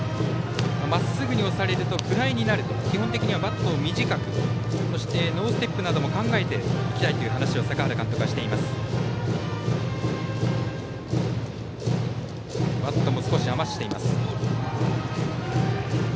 まっすぐに押されるとフライになると基本的にはバットを短くそして、ノーステップなども考えていきたいという話を坂原監督はしています。